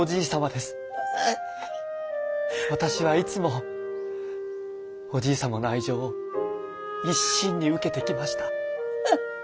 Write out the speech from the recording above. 私はいつもおじい様の愛情を一身に受けてきました。